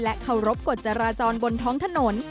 เคารพกฎจราจรบนท้องถนน